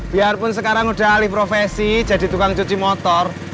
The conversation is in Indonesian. biarpun sekarang udah alih profesi jadi tukang cuci motor